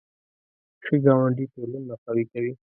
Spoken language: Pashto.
ښه ګاونډي ټولنه قوي کوي